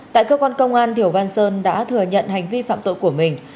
tại cơ quan công an điều văn sơn đã thừa nhận hành vi phạm tội của mình